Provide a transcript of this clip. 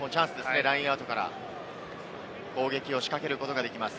ラインアウトから攻撃を仕掛けることができます。